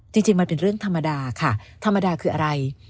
จริงมันเป็นเรื่องธรรมดาค่ะธรรมดาคืออะไร